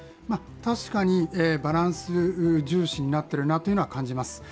確かにバランス重視になってるなというのは感じます。